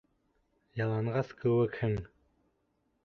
Яланғас кеүекһең!